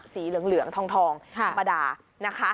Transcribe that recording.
สีเหลืองทองอัปดาห์